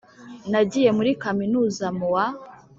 Nagiye muri kaminuza mu wa